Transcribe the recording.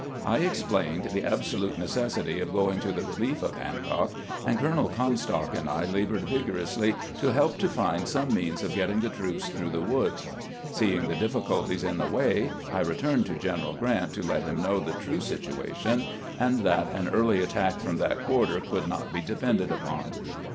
I explained the absolute necessity of going to the relief of Hancock, and Colonel Comstock and I labored vigorously to help to find some means of getting the troops through the woods. Seeing the difficulties in the way, I returned to General Grant to let him know the true situation, and that an early at tack from that quarter could not be depended upon.